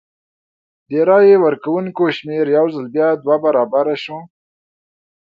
د رای ورکوونکو شمېر یو ځل بیا دوه برابره شو.